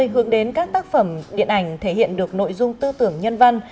hướng đến các tác phẩm điện ảnh thể hiện được nội dung tư tưởng nhân văn